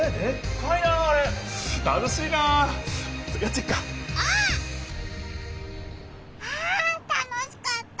あ楽しかった！